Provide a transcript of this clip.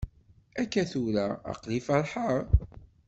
Akka tura aql-i feṛḥeɣ.